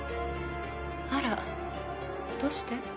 あらどうして？